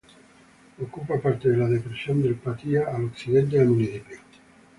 Ocupa parte de la Depresión del Patía al occidente del municipio.